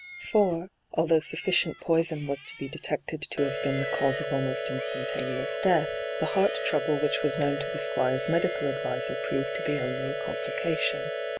For, although sufficient poison was to be detected to have been the cause of almost instantaneous death, the heart trouble which was known to the Squire's medical adviser proved to be only a complication.